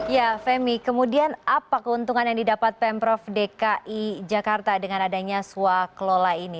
ya femi kemudian apa keuntungan yang didapat pemprov dki jakarta dengan adanya swa kelola ini